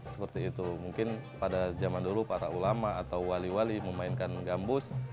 seperti itu mungkin pada zaman dulu para ulama atau wali wali memainkan gambus